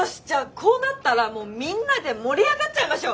こうなったらもうみんなで盛り上がっちゃいましょう。